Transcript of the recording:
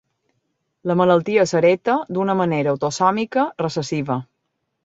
La malaltia s'hereta d'una manera autosòmica recessiva.